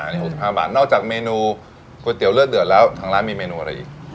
อันนี้๖๕บาทนอกจากเมนูก๋วยเตี๋ยเลือดเดือดแล้วทางร้านมีเมนูอะไรอีก